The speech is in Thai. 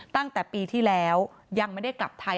ตั้งแต่ปีที่แล้วยังไม่ได้กลับไทย